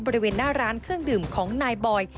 บริเวณหน้าร้านเครื่องดื่มของนายบอย